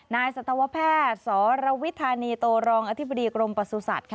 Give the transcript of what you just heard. สัตวแพทย์สรวิธานีโตรองอธิบดีกรมประสุทธิ์